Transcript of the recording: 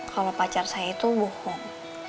kalau pacar saya itu bohong